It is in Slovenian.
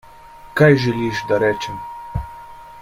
Kaj želiš, da rečem?